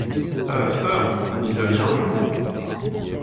Ah çà ! il devient fou !